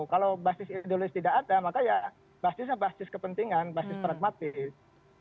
kalau basis ideologis tidak ada maka ya basisnya basis kepentingan basis pragmatis